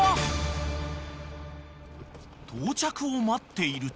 ［到着を待っていると］